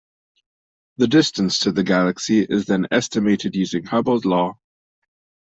The distance to the galaxy is then estimated using Hubble's Law.